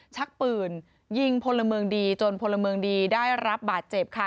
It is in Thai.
ชักปืนยิงพลเมืองดีจนพลเมืองดีได้รับบาดเจ็บค่ะ